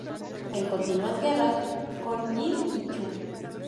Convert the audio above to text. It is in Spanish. En continuas guerras con Jin y Chu.